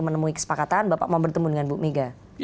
menemui kesepakatan bapak mau bertemu dengan ibu megawati soekarang putri